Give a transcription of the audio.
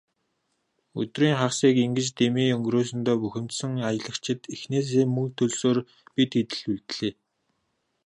Өдрийн хагасыг ингэж дэмий өнгөрөөсөндөө бухимдсан аялагчид эхнээсээ мөнгөө төлсөөр, бид хэд л үлдлээ.